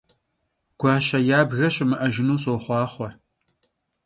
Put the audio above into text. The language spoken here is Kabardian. Guaşe yabge şımı'ejjınu soxhuaxhue!